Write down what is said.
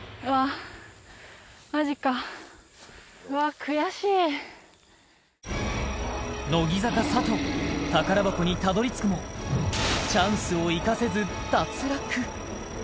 うわ乃木坂・佐藤宝箱にたどりつくもチャンスを生かせず脱落